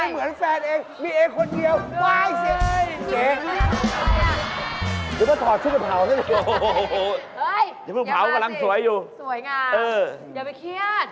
เฮ่ยอย่ามาสิสวยงานอย่าไปเครียด